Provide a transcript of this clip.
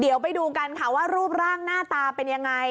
เดี๋ยวไปดูกันค่ะว่ารูปร่างหน้าตาเป็นยังไง